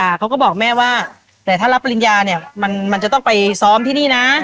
พี่พิจิกษาก็บอกแม่ว่าแต่ถ้ารับปริญญามันจะต้องไปซ้อมที่นี่นะ